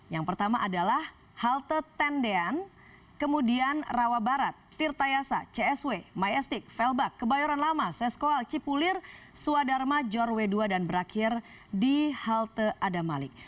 yang pertama adalah halte tendean kemudian rawabarat tirta yasa csw majestic felbak kebayoran lama seskoal cipulir suadharma jorwe ii dan berakhir di halte adamalik